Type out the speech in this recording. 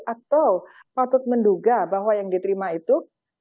atau patut menduga bahwa yang diterima itu